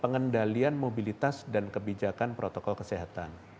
pengendalian mobilitas dan kebijakan protokol kesehatan